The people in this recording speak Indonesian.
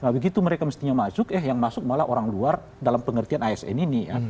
begitu mereka mestinya masuk eh yang masuk malah orang luar dalam pengertian asn ini ya